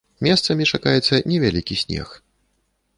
Месцамі чакаецца невялікі снег.